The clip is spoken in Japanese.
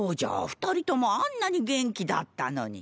二人ともあんなに元気だったのに。